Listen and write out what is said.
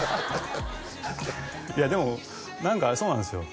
いやでも何かそうなんですよ